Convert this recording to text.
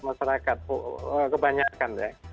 masyarakat kebanyakan ya